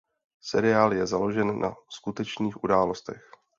Seriál je založen na skutečných událostech.